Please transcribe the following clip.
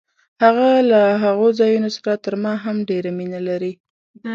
هغه له هغو ځایونو سره تر ما هم ډېره مینه لري.